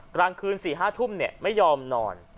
กลางคืน๔๕ทุ่มไม่ยอมนอน